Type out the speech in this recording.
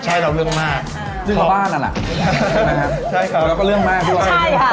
ใช่เราเรื่องมากเรื่องกับบ้านอ่ะล่ะใช่ครับแล้วก็เรื่องมากด้วยใช่ค่ะ